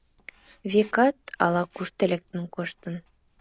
Векат, ала-кушко лектын коштын.